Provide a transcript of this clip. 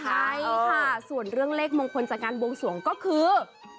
ใช่ค่ะส่วนเรื่องเลขมงคลจากการบวงสวงก็คือ